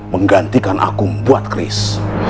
menggantikan aku membuat keris